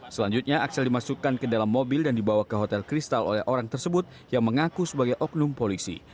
selanjutnya axel dimasukkan ke dalam mobil dan dibawa ke hotel kristal oleh orang tersebut yang mengaku sebagai oknum polisi